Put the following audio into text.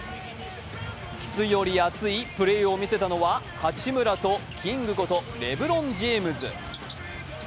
キスより熱いプレーを見せたのは、八村とキングことレブロン・ジェームズ。